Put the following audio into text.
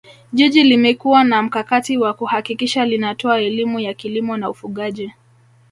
Jiji limekuwa na mkakati wa kuhakikisha linatoa elimu ya kilimo na ufugaji